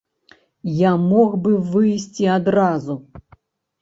Я мог бы выйсці адразу.